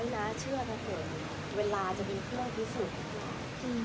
เวลาจะเป็นเพื่อนที่สุด